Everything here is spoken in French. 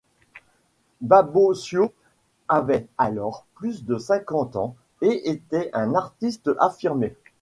Baboccio avait alors plus de cinquante ans et était un artiste affirmé.